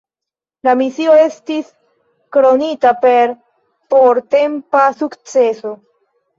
La misio estis kronita per portempa sukceso.